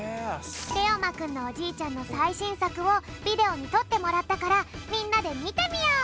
れおまくんのおじいちゃんのさいしんさくをビデオにとってもらったからみんなでみてみよう！